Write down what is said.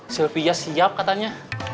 silvia siap katanya